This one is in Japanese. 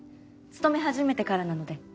勤め始めてからなので。